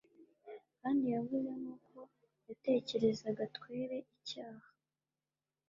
kandi yavuze nkuko yatekerezaga 'twere icyaha